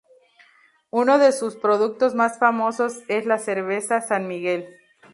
Uno de sus productos más famosos es la cerveza San Miguel.